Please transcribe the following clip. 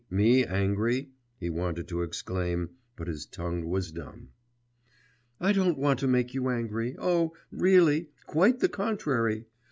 me angry?' he wanted to exclaim, but his tongue was dumb.) 'I don't want to make you angry oh, really, quite the contrary!